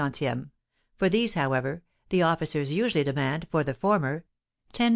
_; for these, however, the officers usually demand, for the former, 10_f.